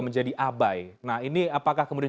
menjadi abai nah ini apakah kemudian